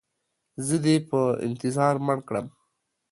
زه دې په انتظار مړ کړم.